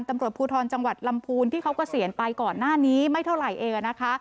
ตำรวจภูทรจังหวัดลำพูนที่เขาเกษียณไปก่อนหน้านี้ไม่เท่าไหร่เองนะคะ